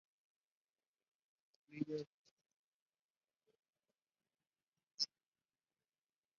Las tablillas encontradas fueron depositadas en el Museo Británico.